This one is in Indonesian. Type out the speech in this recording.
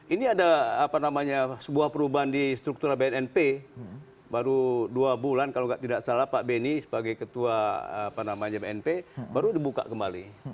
ini ada apa namanya sebuah perubahan di struktural bnnp baru dua bulan kalau tidak salah pak benny sebagai ketua bnp baru dibuka kembali